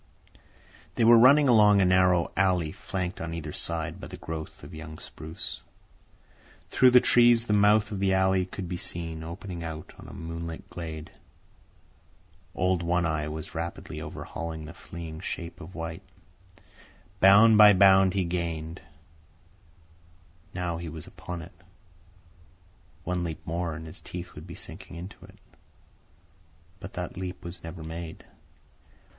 They were running along a narrow alley flanked on either side by a growth of young spruce. Through the trees the mouth of the alley could be seen, opening out on a moonlit glade. Old One Eye was rapidly overhauling the fleeing shape of white. Bound by bound he gained. Now he was upon it. One leap more and his teeth would be sinking into it. But that leap was never made.